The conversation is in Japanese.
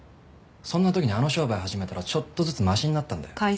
そんな時にあの商売始めたらちょっとずつマシになったんだよ。